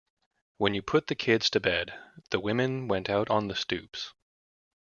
When you put the kids to bed, the women went out on the stoops.